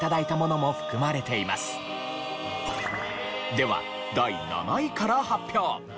では第７位から発表。